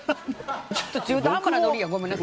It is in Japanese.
ちょっと中途半端。ごめんなさい。